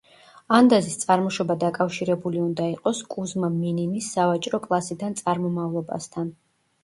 ანდაზის წარმოშობა დაკავშირებული უნდა იყოს კუზმა მინინის სავაჭრო კლასიდან წარმომავლობასთან.